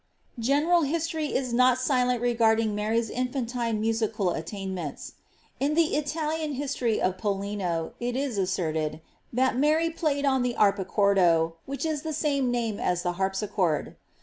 '' General history is not silent regarding Mary's in&ntine musical attain ■lentfl. In the Italian history of Pollino it is asserted, that Mary played on the arpicardoj which is the same name as the harpischard.